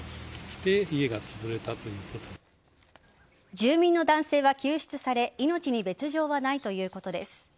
住民の男性は救出され命に別条はないということです。